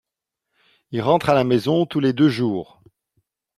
Il rentre à la maison tous les deux jours.